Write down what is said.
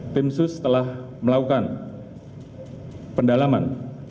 tim sus telah melakukan pendalaman